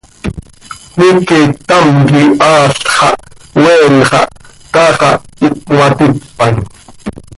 Cmiique ctam quih aal xaha oeen xah, taax ah iicp cömaticpan.